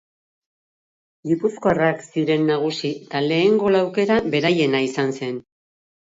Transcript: Gipuzkoarrak ziren nagusi eta lehen gol aukera beraiena izan zen.